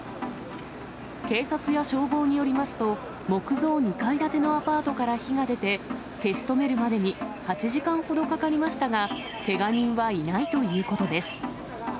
警察や消防によりますと、木造２階建てのアパートから火が出て、消し止めるまでに８時間ほどかかりましたが、けが人はいないということです。